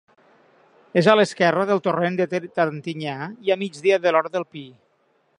És a l'esquerra del torrent de Tantinyà i a migdia de l'Hort del Pi.